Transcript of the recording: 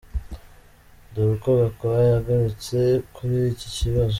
Dore uko Gakwaya yagarutse kuri iki kibazo: .